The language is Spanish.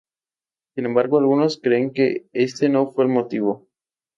Sin embargo, algunos creen que este no fue el motivo.